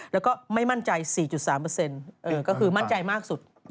แล้วก็ไม่มั่นใจ๔๓ก็คือมั่นใจมากสุด